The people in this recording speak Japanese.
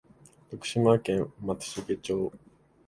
徳島県松茂町